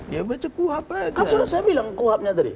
ya baca kuhap aja